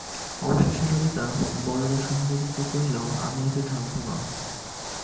অবশেষে ললিতা বরদাসুন্দরীকে কহিল, আমি এতে থাকব না।